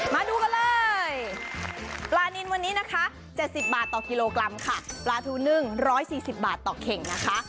มาดูกันเลยปลานินวันนี้นะคะ๗๐บาทต่อกิโลกรัมค่ะปลาทูนึ่ง๑๔๐บาทต่อเข่งนะคะ